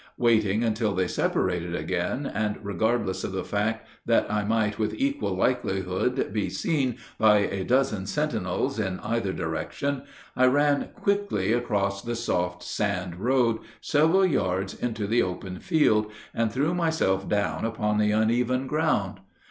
Waiting until they separated again, and regardless of the fact that I might with equal likelihood be seen by a dozen sentinels in either direction, I ran quickly across the soft sand road several yards into the open field, and threw myself down upon the uneven ground.